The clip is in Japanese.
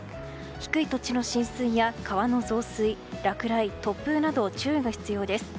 低い土地の浸水や川の増水落雷、突風など注意が必要です。